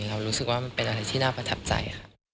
เรารู้สึกว่ามันเป็นอะไรที่น่าประทับใจค่ะ